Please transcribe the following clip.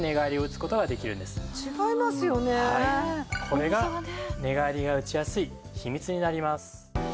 これが寝返りが打ちやすい秘密になります。